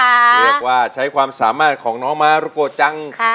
เรียกว่าใช้ความสามารถของน้องมารุโกจัง